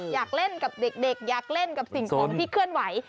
อยากเล่นกับเด็กอยากเล่นกับสิ่งของที่เคลื่อนไหว